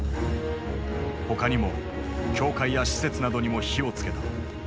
他にも教会や施設などにも火を付けた。